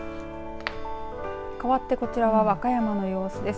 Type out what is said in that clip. かわってこちらは和歌山の様子です。